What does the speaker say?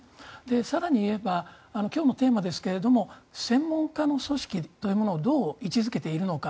更に言えば今日のテーマですけれども専門家の組織というものをどう位置付けているのか。